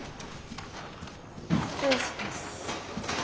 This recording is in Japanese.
失礼します。